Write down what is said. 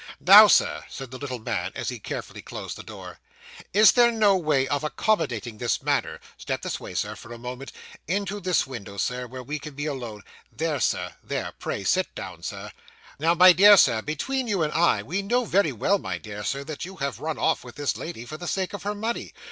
'Now, sir,' said the little man, as he carefully closed the door, 'is there no way of accommodating this matter step this way, sir, for a moment into this window, Sir, where we can be alone there, sir, there, pray sit down, sir. Now, my dear Sir, between you and I, we know very well, my dear Sir, that you have run off with this lady for the sake of her money.